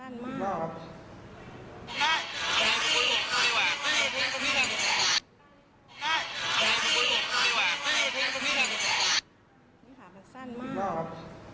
นี่ค่ะสั้นมาก